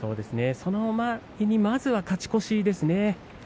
その前にまずは勝ち越しですね。